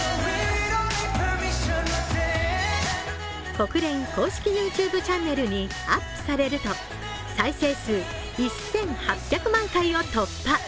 国連公式ＹｏｕＴｕｂｅチャンネルにアップされると、再生数１８００万回を突破。